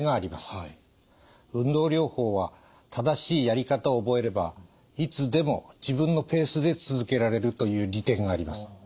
運動療法は正しいやり方を覚えればいつでも自分のペースで続けられるという利点があります。